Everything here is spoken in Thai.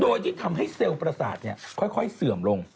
โดยที่ทำให้เซลล์ประสาทค่อยเสื่อมลง